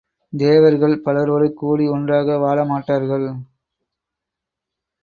தேவர்கள், பலரோடு கூடி ஒன்றாக வாழ மாட்டார்கள்!